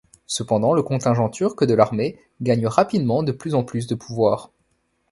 Cependant, le contingent turc de l'armée gagne rapidement de plus en plus de pouvoir.